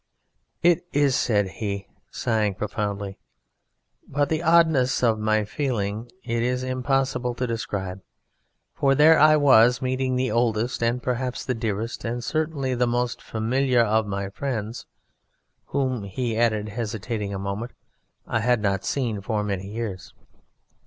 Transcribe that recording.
"It is," said he, sighing profoundly; "but the oddness of my feeling it is impossible to describe, for there I was meeting the oldest and perhaps the dearest and certainly the most familiar of my friends, whom," he added, hesitating a moment, "I had not seen for many years.